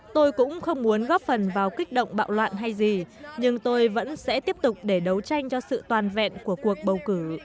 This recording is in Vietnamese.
tôi cũng không muốn góp phần vào kích động bạo loạn hay gì nhưng tôi vẫn sẽ tiếp tục để đấu tranh cho sự toàn vẹn của cuộc bầu cử